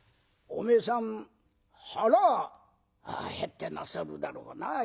おめえさん腹減ってなさるだろうな。